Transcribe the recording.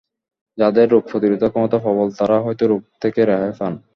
যাদের রোগ প্রতিরোধ ক্ষমতা প্রবল, তারা হয়তো রোগ থেকে রেহাই পান।